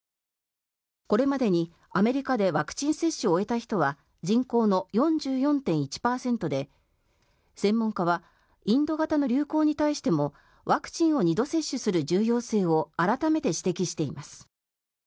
これまでにアメリカでワクチン接種を終えた人は人口の４４．１％で専門家はインド型の流行に対してもワクチンを２度接種する重要性を改めて指摘しています。